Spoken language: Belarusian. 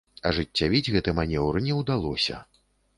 Ажыццявіць гэты манеўр не ўдалося.